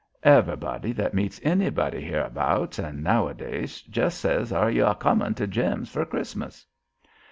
Everybody that meets anybody hereabouts and nowadays jes' says are you a' comin' to Jim's fur Christmas."